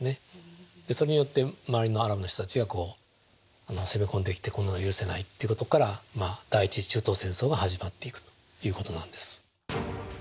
それによって周りのアラブの人たちが攻め込んできてこんなの許せないっていうことから第１次中東戦争が始まっていくということなんです。